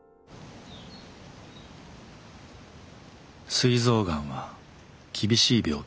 すい臓がんは厳しい病気です。